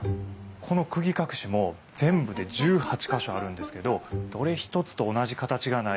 この釘隠しも全部で１８か所あるんですけどどれ一つと同じ形がない一点物なんですよ。